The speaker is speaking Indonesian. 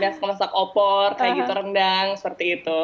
biasa masak opor kayak gitu rendang seperti itu